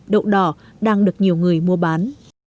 rượu đỏ đang được nhiều người mua bán